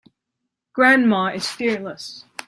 Grandma is fearless.